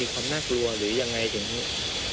ความน่ากลัวหรือยังไงอย่างนี้